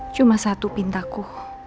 cuma satu pintaku